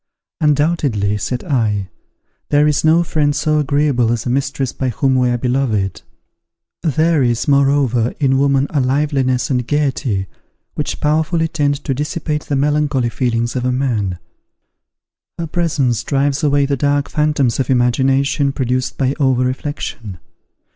"Undoubtedly," said I, "there is no friend so agreeable as a mistress by whom we are beloved. There is, moreover, in woman a liveliness and gaiety, which powerfully tend to dissipate the melancholy feelings of a man; her presence drives away the dark phantoms of imagination produced by over reflection.